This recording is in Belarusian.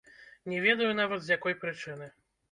Не ведаю нават, з якой прычыны.